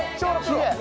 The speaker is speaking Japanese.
きれい。